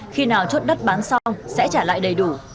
khi nào chốt đất bán xong sẽ trả lại đầy đủ